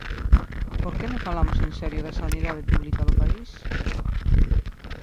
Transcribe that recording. ¿Por que non falamos en serio da sanidade pública do país?